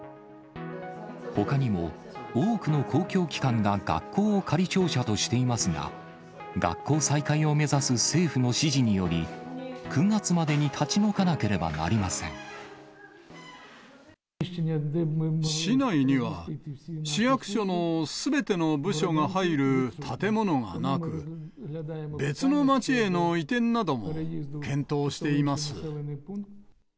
ほかにも、多くの公共機関が学校を仮庁舎としていますが、学校再開を目指す政府の指示により、９月までに立ち退かなければ市内には、市役所のすべての部署が入る建物がなく、別の町への移転なども検討しています。